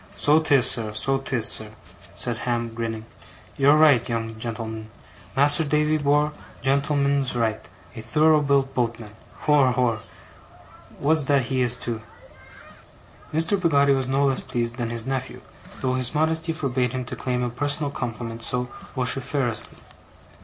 'So 'tis, sir, so 'tis, sir,' said Ham, grinning. 'You're right, young gen'l'm'n! Mas'r Davy bor', gen'l'm'n's right. A thorough built boatman! Hor, hor! That's what he is, too!' Mr. Peggotty was no less pleased than his nephew, though his modesty forbade him to claim a personal compliment so vociferously.